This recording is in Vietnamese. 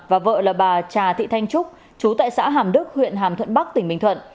và vợ là bà trà thị thanh trúc chú tại xã hàm đức huyện hàm thuận bắc tỉnh bình thuận